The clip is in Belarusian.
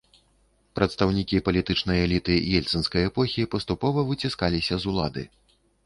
Прадстаўнікі палітычнай эліты ельцынскай эпохі паступова выціскаліся з улады.